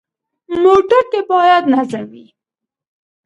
موټر کې باید نظم وي.